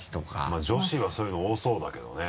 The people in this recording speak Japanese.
まぁ女子はそういうの多そうだけどね。